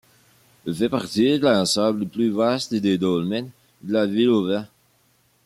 Il fait partie de l'ensemble plus vaste des dolmens de La Ville-au-Vent.